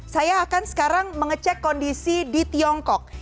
saya akan sekarang mengecek kondisi di tiongkok